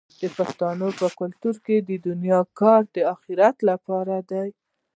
د پښتنو په کلتور کې د دنیا کار د اخرت لپاره دی.